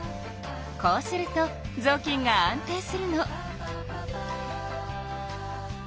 こうするとぞうきんが安定するの。